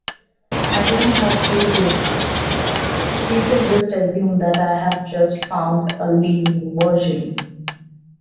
McGlynn has stated: "People just assume that I have just found a "living" version.